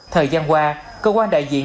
thời gian qua cơ quan đại diện